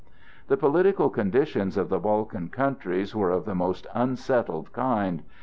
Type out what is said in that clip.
The political conditions of the Balkan countries are of the most unsettled kind.